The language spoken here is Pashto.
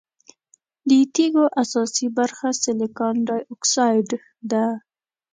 د تیږو اساسي برخه سلیکان ډای اکسايډ ده.